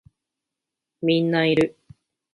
みんないる